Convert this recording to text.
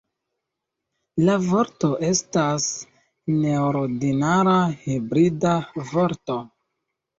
La vorto estas neordinara hibrida vorto.